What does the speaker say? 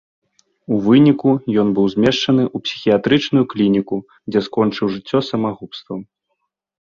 У выніку ён быў змешчаны ў псіхіятрычную клініку, дзе скончыў жыццё самагубствам.